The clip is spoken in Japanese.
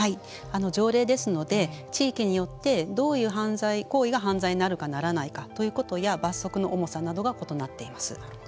条例ですので地域によってどういう犯罪行為が犯罪になるのかならないか罰則の重さなどが異なっています。